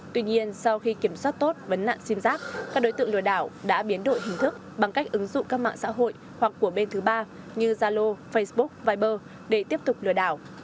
tuy nhiên sau khi kiểm soát tốt vấn nạn sim giác các đối tượng lừa đảo đã biến đổi hình thức bằng cách ứng dụng các mạng xã hội hoặc của bên thứ ba như zalo facebook viber để tiếp tục lừa đảo